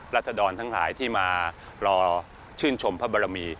ศดรทั้งหลายที่มารอชื่นชมพระบรมี